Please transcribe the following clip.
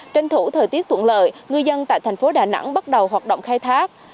trên thủ thời tiết tuộn lợi ngư dân tại thành phố đà nẵng bắt đầu hoạt động khai thác